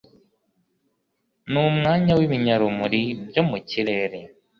n'umwanya w'ibinyarumuri byo mu kirere